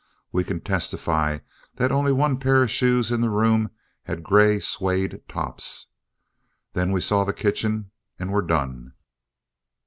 We can testify that only one pair of shoes in the room had gray suede tops. Then we saw the kitchen and were done.